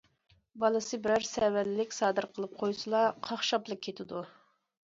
بالىسى بىرەر سەۋەنلىك سادىر قىلىپ قويسىلا، قاقشاپلا كېتىدۇ.